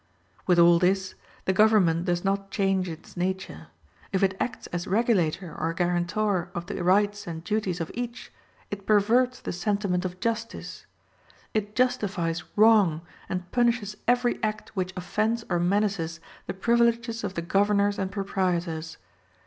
With all this, the government does not change its nature. If it acts as regulator or guarantor of the rights and duties of each, it perverts the sentiment of justice. It justifies wrong and punishes every act which offends or menaces the privileges of the governors and proprietors.